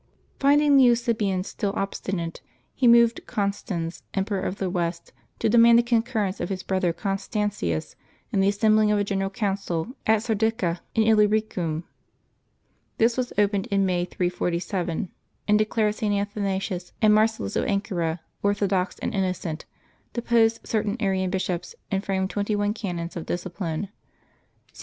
Finding the Eusebians still obstinate, he moved Constans, Emperor of the West, to demand the concurrence of his brother Constantius in the assembling of a general council at Sardica in Illyricum. This was opened in May 347, and declared St. Athanasius and Marcellus of Ancyra orthodox and innocent, deposed certain Arian bishops, and framed twenty one canons of discipline. St.